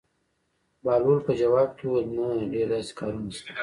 بهلول په ځواب کې وویل: نه ډېر داسې کارونه شته.